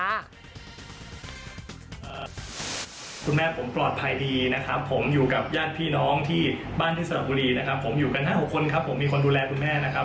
คุณแม่ผมปลอดภัยดีนะครับผมอยู่กับญาติพี่น้องที่บ้านที่สระบุรีนะครับผมอยู่กัน๕๖คนครับผมมีคนดูแลคุณแม่นะครับ